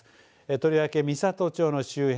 とりわけ美郷町の周辺